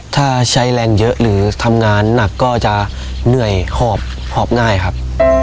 ถ้าใช้แรงเยอะหรือทำงานหนักก็จะเหนื่อยหอบหอบง่ายครับ